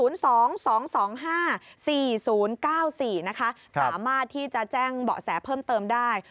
๐๒๒๒๕๔๐๙๔นะคะสามารถที่จะแจ้งเบาะแสเพิ่มเติมได้